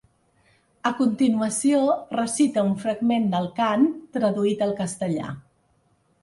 A continuació recita un fragment del cant traduït al castellà.